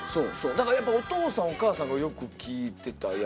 だからお父さんお母さんがよく聴いてたやつ。